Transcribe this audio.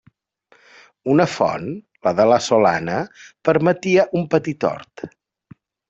Una font, la de la Solana, permetia un petit hort.